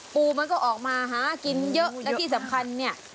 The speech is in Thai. ปูมันก็ออกมาหากินเยอะและที่สำคัญเนี่ย